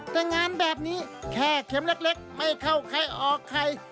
แต่งานแบบนี้แค่เข็มเล็กไม่เข้าใครออกใคร